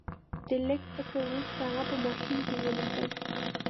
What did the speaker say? د لږ فکر وروسته هغه په ماشین کې ولیکل